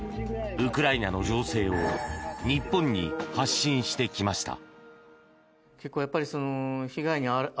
ウクライナの情勢を日本に発信してきました。